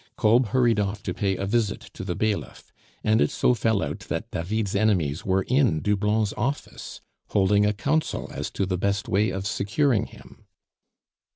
Kolb hurried off to pay a visit to the bailiff; and it so fell out that David's enemies were in Doublon's office, holding a council as to the best way of securing him.